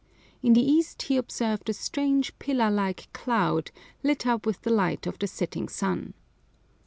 In the east he observed a strange pillar like cloud, lit up with the light of the setting sun.